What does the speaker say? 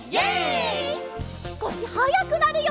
すこしはやくなるよ。